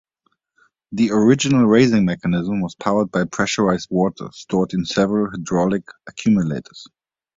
The original raising mechanism was powered by pressurised water stored in several hydraulic accumulators.